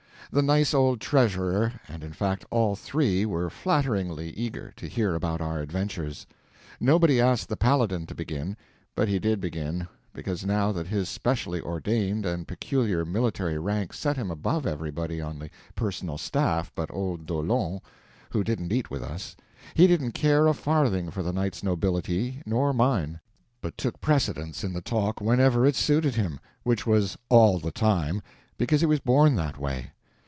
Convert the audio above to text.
The nice old treasurer, and in fact all three were flatteringly eager to hear about our adventures. Nobody asked the Paladin to begin, but he did begin, because now that his specially ordained and peculiar military rank set him above everybody on the personal staff but old D'Aulon, who didn't eat with us, he didn't care a farthing for the knights' nobility no mine, but took precedence in the talk whenever it suited him, which was all the time, because he was born that way.